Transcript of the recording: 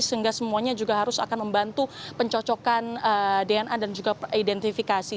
sehingga semuanya juga harus akan membantu pencocokan dna dan juga identifikasi